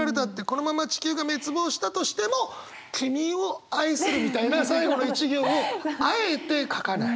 このまま地球が滅亡したとしても君を愛する」みたいな最後の一行をあえて書かない。